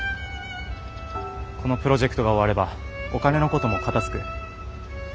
このプロジェクトが終わればお金のことも片づく。